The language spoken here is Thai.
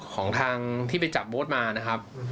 ของทางที่ไปจับโบ๊ทมานะครับ